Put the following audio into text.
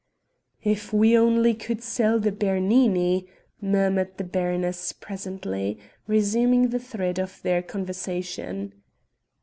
"If we only could sell the Bernini!" murmured the baroness presently, resuming the thread of their conversation.